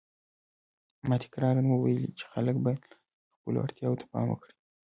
ما تکراراً ویلي چې خلک باید خپلو اړتیاوو ته پام وکړي.